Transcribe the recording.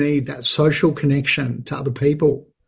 hubungan sosial dengan orang lain